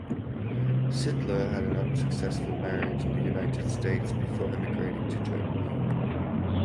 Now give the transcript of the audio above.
Sittler had an unsuccessful marriage in the United states before emigrating to Germany.